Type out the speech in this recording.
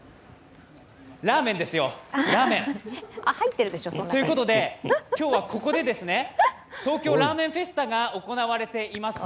ラーメンですよ！ということで、今日はここで東京ラーメンフェスタが行われています。